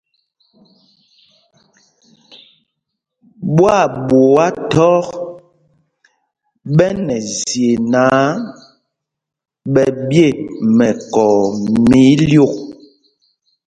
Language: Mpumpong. Ɓwaaɓuá thɔk ɓɛ nɛ zye náǎ, ɓɛ ɓye mɛkɔɔ mɛ ílyûk.